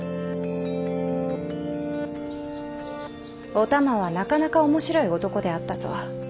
お玉はなかなか面白い男であったぞ。